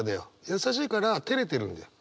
優しいからてれてるんだよ。